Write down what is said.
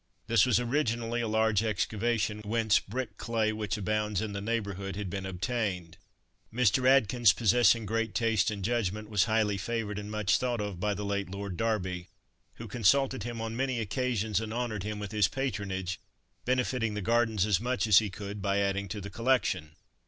This was originally a large excavation, whence brick clay which abounds in the neighbourhood had been obtained. Mr. Atkins, possessing great taste and judgment, was highly favoured and much thought of by the late Lord Derby, who consulted him on many occasions and honoured him with his patronage, benefiting the gardens as much as he could, by adding to the collection.